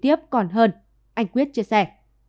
tiếp còn hơn anh quyết chia sẻ